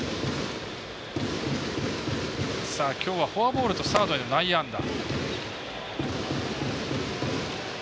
きょうはフォアボールとサードへの内野安打。